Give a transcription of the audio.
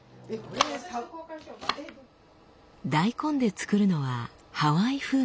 大根で作るのはハワイ風のたくあん。